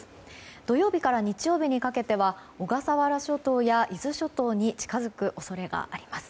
土曜日から日曜日にかけては小笠原諸島や伊豆諸島に近づく恐れがあります。